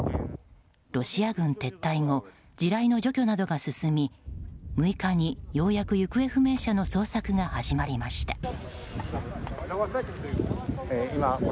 ロシア軍撤退後地雷の除去などが進み６日にようやく行方不明者の捜索が始まりました。